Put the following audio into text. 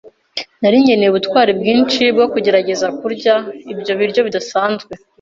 Nari nkeneye ubutwari bwinshi bwo kugerageza kurya ibyo biryo bidasanzwe.